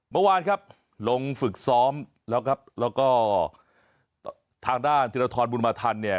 เมื่อวานครับลงฝึกซ้อมแล้วก็ทางด้านทิรทรบุญมาธรรมเนี่ย